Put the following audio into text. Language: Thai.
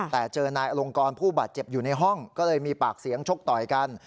แต่เจอนายอลงกรผู้บาดเจ็บอยู่ในห้องก็เลยมีปากเสียงชกต่อยกัน